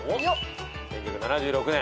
１９７６年。